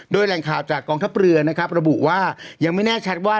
โดยแหล่งข่าวจากกองทัพเรือนะครับระบุว่ายังไม่แน่ชัดว่า